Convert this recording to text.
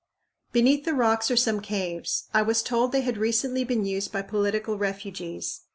Beneath the rocks are some caves. I was told they had recently been used by political refugees.